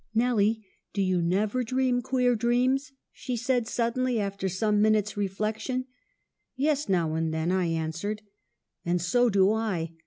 "* Nelly, do you never dream queer dreams ?! she said, suddenly, after some minutes' reflection. " 'Yes, now and then,' I answered. "'And so do I.